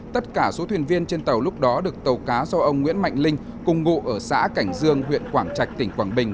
tất cả số thuyền viên trên tàu lúc đó được tàu cá do ông nguyễn mạnh linh cùng ngụ ở xã cảnh dương huyện quảng trạch tỉnh quảng bình